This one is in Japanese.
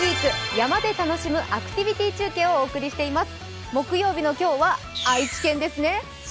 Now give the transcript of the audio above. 山で楽しむアクティビティー中継」をお送りしています。